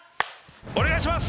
お願いします！